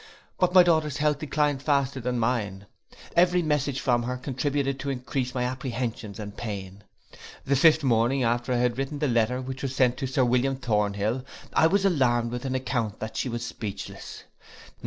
But my daughter's health declined faster than mine; every message from her contributed to encrease my apprehensions and pain. The fifth morning after I had written the letter which was sent to Sir William Thornhill, I was alarmed with an account that she was speechless.